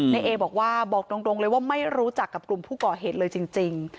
เอบอกว่าบอกตรงเลยว่าไม่รู้จักกับกลุ่มผู้ก่อเหตุเลยจริง